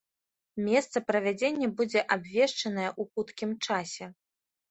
Месца правядзення будзе абвешчанае ў хуткім часе.